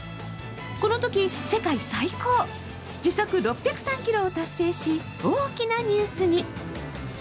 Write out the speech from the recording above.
このとき、世界最高時速６０３キロを達成し、大きなニュースに。